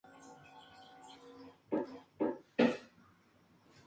La isla tiene una superficie de cerca de dos kilómetros cuadrados.